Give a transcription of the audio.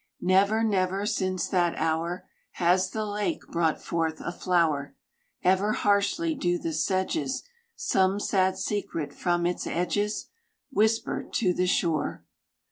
Never, never since that hour Has the lake brought forth a flower. Ever harshly do the sedges Some sad secret from its edges Whisper to the shore.